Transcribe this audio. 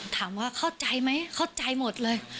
ถามว่าเข้าใจไหมเข้าใจหมดเลย